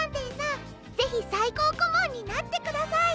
ぜひさいこうこもんになってください。